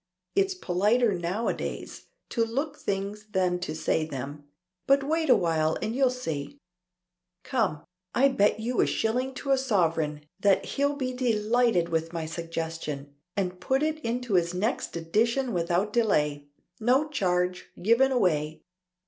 It's politer now a days to look things than to say them, but wait awhile and you'll see. Come; I'll bet you a shilling to a sovereign that he'll be delighted with my suggestion, and put it into his next edition without delay. No charge! Given away!